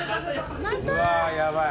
うわあやばい。